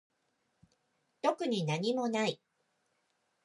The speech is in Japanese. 特になにもない